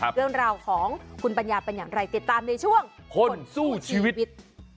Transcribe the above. เรื่องราวของคุณปัญญาเป็นอย่างไรติดตามในช่วงคนสู้ชีวิต